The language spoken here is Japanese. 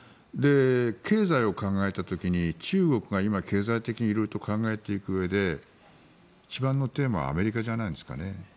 経済を考えた時に中国が経済的に考えていくうえで一番のテーマはアメリカじゃないですかね。